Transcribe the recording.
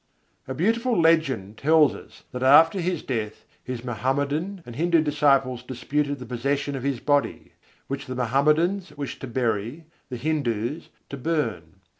A beautiful legend tells us that after his death his Mohammedan and Hindu disciples disputed the possession of his body; which the Mohammedans wished to bury, the Hindus to burn.